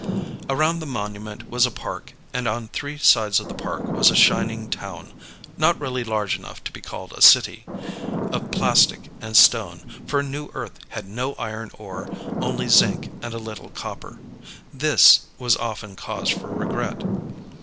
Around the monument was a park, and on three sides of the park was a shining town not really large enough to be called a city of plastic and stone, for New Earth had no iron ore, only zinc and a little copper. This was often cause for regret.